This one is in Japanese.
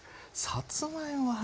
さつまいも。